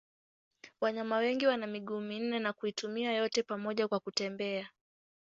Wanyama wengi wana miguu minne na kuitumia yote pamoja kwa kutembea.